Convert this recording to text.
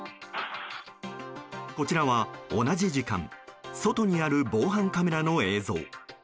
こちらは、同じ時間外にある防犯カメラの映像。